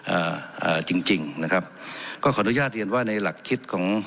อ่าอ่าจริงจริงนะครับก็ขออนุญาตเรียนว่าในหลักคิดของ